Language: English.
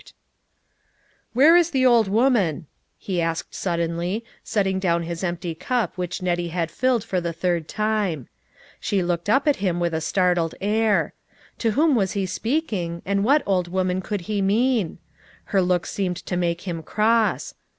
THE TRUTH IS TOLD. ,57 " Where is the old woman ?" he asked sud denly, setting down his empty cup which Nettie had filled for the third time. She looked up at him with a startled air. To whom was he speak ing and what old woman could he mean ? Her look seemed to make him cross.